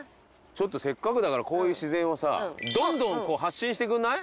ちょっとせっかくだからこういう自然をさぁどんどんこう発信してくれない？